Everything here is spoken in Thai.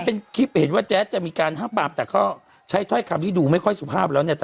เป็นคลิปเห็นว่าแจ๊ดจะมีการห้ามปรามแต่ก็ใช้ถ้อยคำที่ดูไม่ค่อยสุภาพแล้วเนี่ย